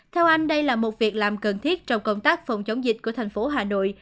theo anh đây là một việc làm cần thiết trong công tác phòng chống dịch của thành phố hà nội